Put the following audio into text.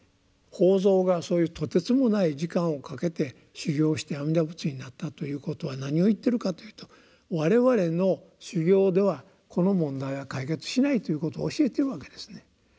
法蔵がそういうとてつもない時間をかけて修行して阿弥陀仏になったということは何を言ってるかというと我々の修行ではこの問題は解決しないということを教えてるわけですね。